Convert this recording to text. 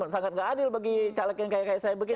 sangat tidak adil bagi caleg yang kayak saya begini